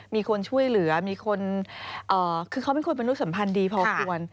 มีคนช่วยเหลือคือเขาเป็นคนเป็นลูกสัมภัณฑ์ดีพอชวน